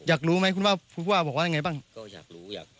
หรือรู้ม่ะคุณพ่อพูดว่าว่ายังไงบ้างก็อยากรู้อยาก